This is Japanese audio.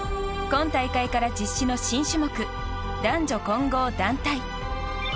今大会から実施の新種目男女混合団体。